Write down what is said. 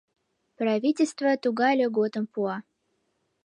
Правительство тугай льготым пуа!..